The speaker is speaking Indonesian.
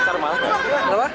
pacar marah gak